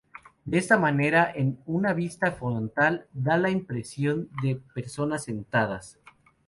De esta manera en una vista frontal dan la impresión de personas sentadas.